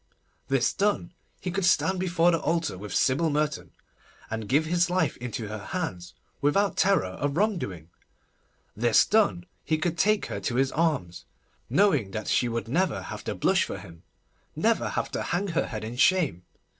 This done, he could stand before the altar with Sybil Merton, and give his life into her hands without terror of wrongdoing. This done, he could take her to his arms, knowing that she would never have to blush for him, never have to hang her head in shame.